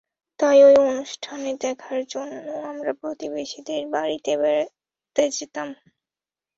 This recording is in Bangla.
তাই, ওই অনুষ্ঠান দেখার জন্য আমরা প্রতিবেশীদের বাড়িতে যেতাম।